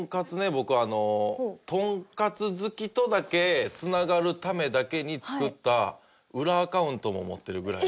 僕あのトンカツ好きとだけ繋がるためだけに作った裏アカウントも持ってるぐらい。